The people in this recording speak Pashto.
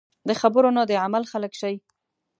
د خبرو نه د عمل خلک شئ .